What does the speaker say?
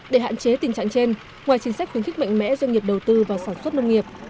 để hạn chế tình trạng trên ngoài chính sách khuyến khích mạnh mẽ doanh nghiệp đầu tư vào sản xuất nông nghiệp